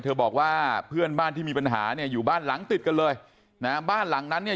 บอกว่าเพื่อนบ้านที่มีปัญหาเนี่ยอยู่บ้านหลังติดกันเลยนะฮะบ้านหลังนั้นเนี่ย